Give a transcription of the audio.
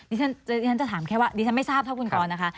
ดีท่านจะถามแค่ว่าดีท่านไม่ทราบขอบคุณกรนะคะ